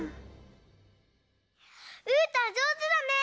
うーたんじょうずだねえ！